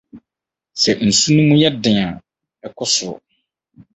Sɛ nsu no mu yɛ den a, ɛkɔ soro.